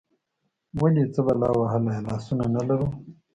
ولې، څه بلا وهلي یو، لاسونه نه لرو؟